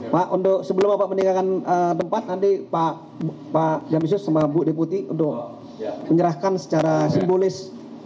pak sebelum pak meninggalkan tempat nanti pak jampi jus dan pak ibu deputi menyerahkan secara simbolis